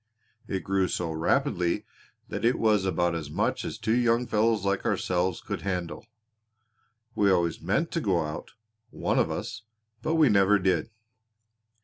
It grew so rapidly that it was about as much as two young fellows like ourselves could handle. We always meant to go out one of us but we never did.